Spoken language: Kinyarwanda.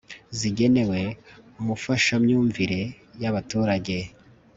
zigenewe umufashamyumvireyabaturage